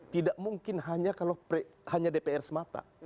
tidak mungkin hanya kalau hanya dpr semata